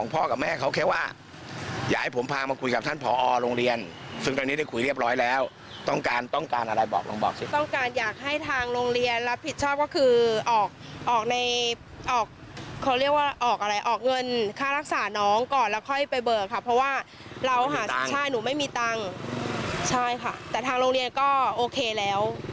ใช่ค่ะแต่ทางโรงเรียนก็โอเคแล้วค่ะรับปากเรียบร้อยด้วยดีค่ะ